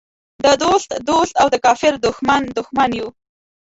د دوست دوست او د کافر دښمن دښمن یو.